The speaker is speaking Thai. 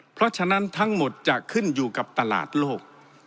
เพราะฉะนั้นทั้งหมดจะขึ้นอยู่กับตลาดโลก